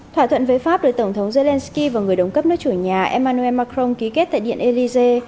thỏa thuận với pháp được tổng thống zelensky và người đồng cấp nước chủ nhà emmanuel macron ký kết tại điện élysée